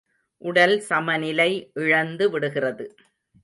உடல் சமநிலை இழந்து விடுகிறது.